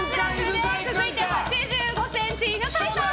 続いて８５ｃｍ、犬飼さん。